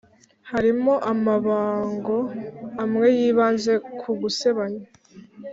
h arimo amabango amwe yibanze ku gusebanya